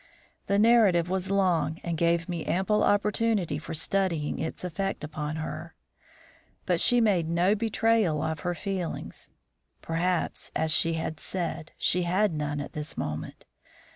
The narrative was long, and gave me ample opportunity for studying its effect upon her. But she made no betrayal of her feelings; perhaps, as she had said, she had none at this moment.